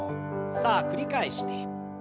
さあ繰り返して。